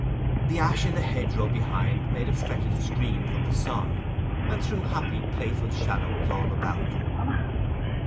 An ash in the hedgerow behind made a fretted screen from the sun, and threw happy playful shadows all about them.